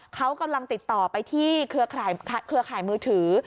เขากำลังติดต่อไปที่เครือข่ายมือถือ